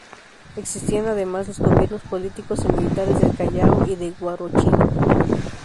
Existían además los gobiernos políticos y militares del Callao y de Huarochirí.